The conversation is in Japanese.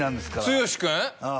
剛君？